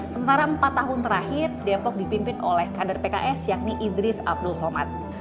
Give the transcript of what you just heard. sementara empat tahun terakhir depok dipimpin oleh kader pks yakni idris abdul somad